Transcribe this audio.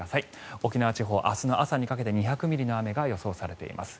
沖縄地方、明日の朝にかけて２００ミリの雨が予想されています。